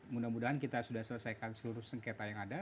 mudah mudahan kita sudah selesaikan seluruh sengketa yang ada